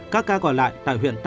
các ca còn lại tại huyện tàu